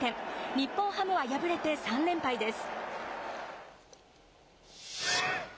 日本ハムは敗れて３連敗です。